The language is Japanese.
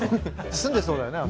住んでそうだよね。